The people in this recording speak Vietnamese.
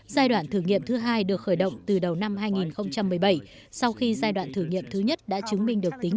giai đoạn thử nghiệm thứ hai được khởi động từ đầu năm hai nghìn một mươi bảy sau khi giai đoạn thử nghiệm thứ nhất đã chứng minh được tính